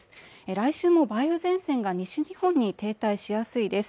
来週も梅雨前線が西日本に停滞しやすいです。